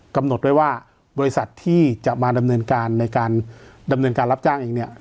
กำหนดไว้ว่าบริษัทที่จะมาดำเนินการในการดำเนินการรับจ้างเองเนี่ย